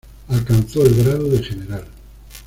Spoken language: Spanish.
Alcanzó el grado de general.